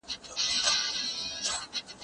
زه پرون مېوې راټولوم وم!؟